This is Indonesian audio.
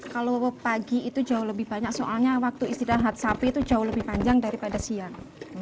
kalau pagi itu jauh lebih banyak soalnya waktu istirahat sapi itu jauh lebih panjang daripada siang